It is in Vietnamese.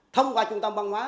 thông qua trung tâm văn hóa